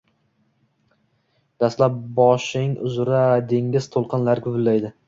Dastlab boshing uzra dengiz to’lqinlari guvillaydi.